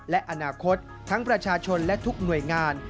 และอนาคตทั้งประชาชนและทุกหน่วยงาน